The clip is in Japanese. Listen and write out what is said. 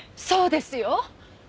そうですよ。